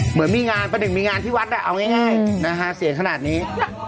เหมือนมีงานประหนึ่งมีงานที่วัดเอาง่ายนะฮะเสียขนาดนี้